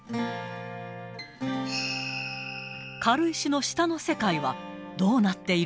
軽石の下の世界はどうなっている